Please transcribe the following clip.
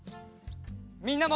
みんなも。